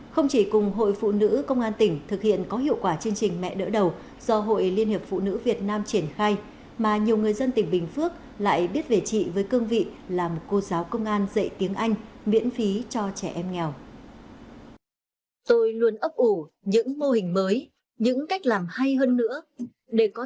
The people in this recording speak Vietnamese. không chỉ cùng hội phụ nữ công an tỉnh thực hiện có hiệu quả chương trình mẹ đỡ đầu do hội liên hiệp phụ nữ việt nam triển khai mà nhiều người dân tỉnh bình phước lại biết về chị với cương vị làm cô giáo công an dạy tiếng anh miễn phí cho trẻ em nghèo